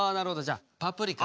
じゃ「パプリカ」。